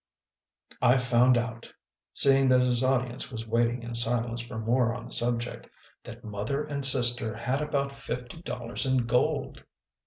I found out," seeing that his audience was waiting in silence for more on the subject, " that Mother and Sister had about fifty dollars in gold."